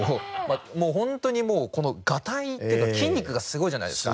ホントにもうこのガタイっていうか筋肉がすごいじゃないですか。